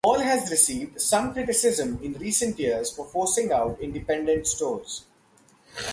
The mall has received some criticism in recent years for forcing out independent stores.